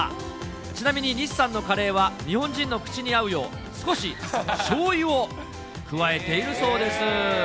ちなみに西さんのカレーは、日本人の口に合うよう、少ししょうゆを加えているそうです。